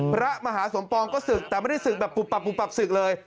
พระมหาสมปองก็ศึกแต่ไม่ได้ศึกแบบปุบศึกเลย